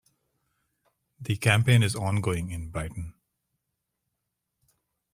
The campaign is ongoing in Brighton.